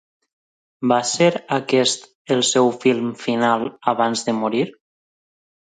Va ser aquest el seu film final abans de morir?